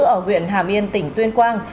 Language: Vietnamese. ở huyện hà miên tỉnh tuyên quang